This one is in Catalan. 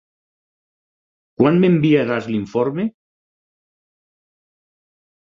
Quan m'enviaràs l'informe?